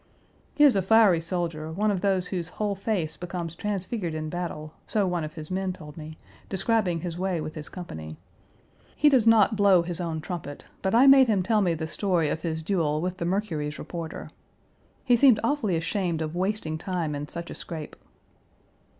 He is a fiery soldier, one of those whose whole face becomes transfigured in battle, so one of his men told me, describing his way with his company. He does not blow his own trumpet, but I made him tell me the story of his duel with the Mercury's reporter. He seemed awfully ashamed of wasting time in such a scrape.